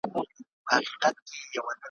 نه مېلې سته نه سازونه نه جشنونه `